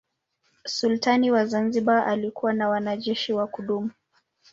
Sultani wa Zanzibar alikuwa na wanajeshi wa kudumu.